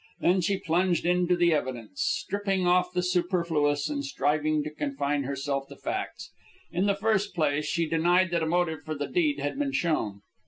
Then she plunged into the evidence, stripping off the superfluous and striving to confine herself to facts. In the first place, she denied that a motive for the deed had been shown.